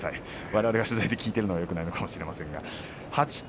われわれが取材で聞いていないのがよくないのかもしれませんが。